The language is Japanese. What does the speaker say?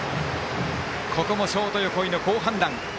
ここもショート、横井の好判断。